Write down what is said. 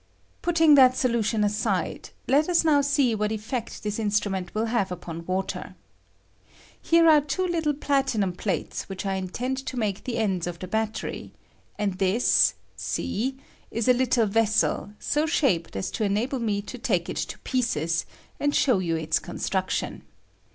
Putting that solution aside, let us now see what effect this instrument will have upon water. Here are two little platinum plates which I intend to make the ends of the battery, and this (c) is a little vessel so shaped aa to enable me to take it to pieces, and show you ite construction.